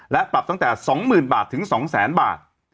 และปรับตั้งแต่๒๐๐๐บาทถึง๒๐๐๐บาท